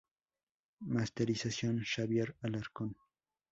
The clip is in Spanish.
Masterización: Xavier Alarcón.